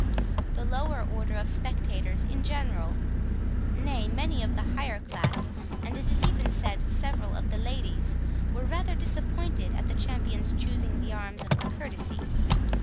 The lower orders of spectators in general—nay, many of the higher class, and it is even said several of the ladies, were rather disappointed at the champions choosing the arms of courtesy.